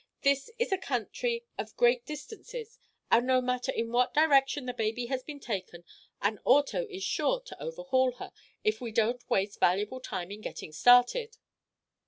This is a country of great distances, and no matter in what direction the baby has been taken an auto is sure to overhaul her, if we don't waste valuable time in getting started."